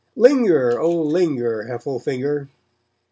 Linger, oh, linger, Heffelfinger.